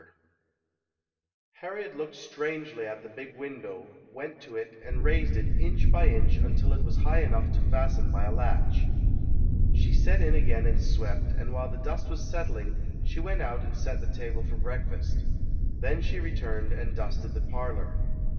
90 ] UNSUNG HEROES Harriet looked strangely at the big window, went to it and raised it inch by inch until it was high enough to fasten by a latch. She set in again and swept, and while the dust was settling, she went out and set the table for breakfast. Then she returned and dusted the parlor.